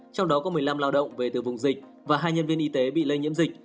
trong đó có một mươi năm lao động về từ vùng dịch và hai nhân viên y tế bị lây nhiễm dịch